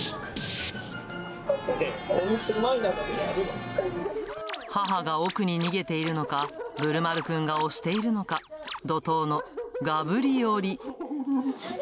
ねぇ、母が奥に逃げているのか、ぶるまるくんが押しているのか、怒とうのがぶり寄り。